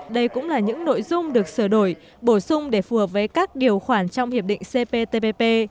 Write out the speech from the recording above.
đây cũng là những nội dung được sửa đổi bổ sung để phù hợp với các điều khoản trong hiệp định cptpp